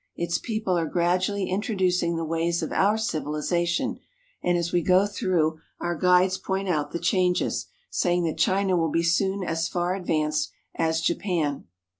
Its people are gradually in troducing the ways of our civilization, and as we go through our guides point out the changes, saying that China will be soon as far advanced as Japan.